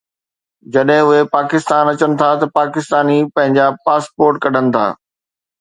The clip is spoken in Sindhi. جڏهن اهي پاڪستان اچن ٿا ته پاڪستاني پنهنجا پاسپورٽ ڪڍن ٿا